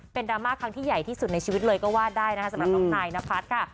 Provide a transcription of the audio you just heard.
เป็นดราม่าครั้งที่ใหญ่ที่สุดในชีวิตเลยก็ว่าได้นะคะสำหรับน้องนายนพัฒน์ค่ะ